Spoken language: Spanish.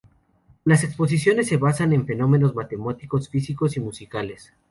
Las exposiciones se basan en fenómenos matemáticos, físicos y musicales.